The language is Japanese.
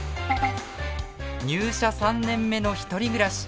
入社３年目の１人暮らし。